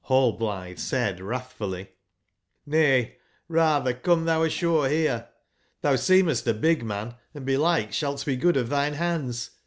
ji? nallblithe said wrathfuUy: ")Vay, rather, come thou ashore herelXThou seem est a big man, & belike shalt be good of thine hands.